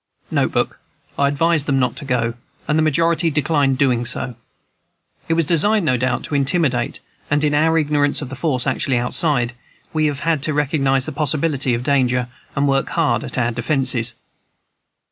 [N. B. I advised them not to go, and the majority declined doing so.] It was designed, no doubt, to intimidate; and in our ignorance of the force actually outside, we have had to recognize the possibility of danger, and work hard at our defences.